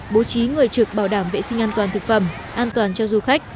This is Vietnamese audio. bố trí người trực bảo đảm vệ sinh an toàn thực phẩm an toàn cho du khách